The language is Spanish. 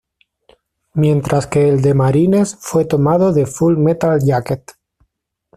Mientras que el de "Marines" fue tomado de Full Metal Jacket.